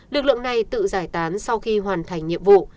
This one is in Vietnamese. lực lượng này tự giải tán sau khi hoàn thành nhiệm vụ